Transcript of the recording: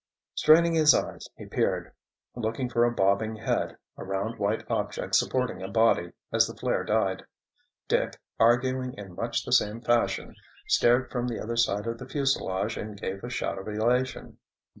Straining his eyes, he peered, looking for a bobbing head, a round white object supporting a body, as the flare died. Dick, arguing in much the same fashion, stared from the other side of the fuselage and gave a shout of elation.